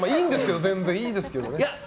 全然いいんですけど。